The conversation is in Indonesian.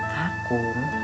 dalam bayangan aku